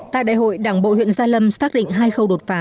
tại đại hội đảng bộ huyện gia lâm xác định hai khâu đột phá